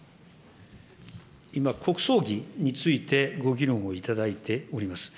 今、国葬儀について、ご議論を頂いております。